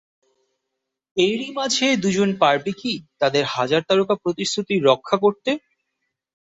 এরই মাঝে দু'জন পারবে কি তাদের হাজার তারকা প্রতিশ্রুতি রক্ষা করতে?